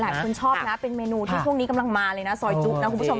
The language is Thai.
หลายคนชอบเป็นเมนูที่โชคนี้กำลังมาซอยจุบครับคุณผู้ชม